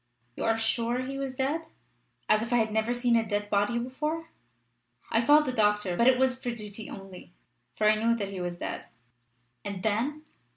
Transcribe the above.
"You are sure he was dead?" "As if I had never seen a dead body before! I called the doctor, but it was for duty only, for I knew that he was dead." "And then?"